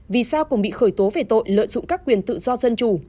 vì sao cùng bị khởi tố về tội lợi dụng các quyền tự do dân chủ